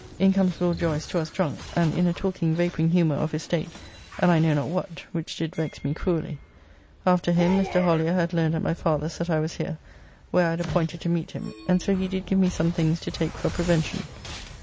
In comes Will Joyce to us drunk, and in a talking vapouring humour of his state, and I know not what, which did vex me cruelly. After him Mr. Hollier had learned at my father's that I was here (where I had appointed to meet him) and so he did give me some things to take for prevention.